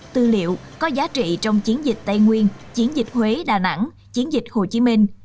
tư liệu có giá trị trong chiến dịch tây nguyên chiến dịch huế đà nẵng chiến dịch hồ chí minh